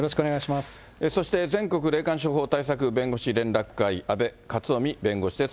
そして全国霊感商法対策弁護士連絡会、阿部克臣弁護士です。